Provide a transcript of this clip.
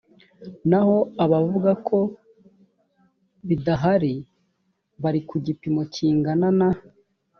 naho abavuga ko bidahari bari ku gipimo kingana na